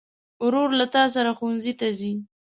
ورور له تا سره ښوونځي ته ځي.